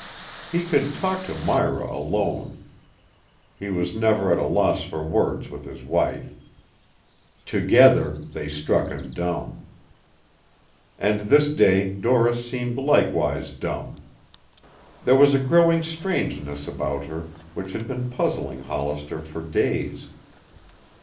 He could talk to Myra alone. He was never at a loss for words with his wife. Together, they struck him dumb. And this day Doris seemed likewise dumb. There was a growing strangeness about her which had been puzzling Hollister for days.